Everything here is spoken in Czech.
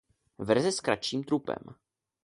Verze s kratším trupem.